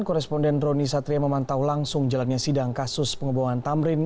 koresponden roni satria memantau langsung jalannya sidang kasus pengeboman tamrin